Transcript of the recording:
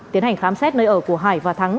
tiến hành khám xét nơi ở của hải và thắng